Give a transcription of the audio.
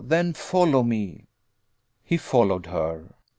Then follow me." He followed her.